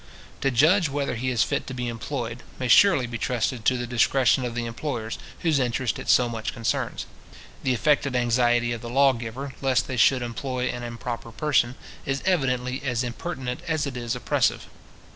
To judge whether he is fit to be employed, may surely be trusted to the discretion of the employers, whose interest it so much concerns. The affected anxiety of the lawgiver, lest they should employ an improper person, is evidently as impertinent as it is oppressive.